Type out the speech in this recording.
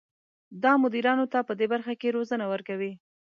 دا مدیرانو ته پدې برخه کې روزنه ورکوي.